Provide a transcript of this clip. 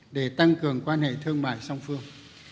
để tăng cường quan hệ thương mại song phương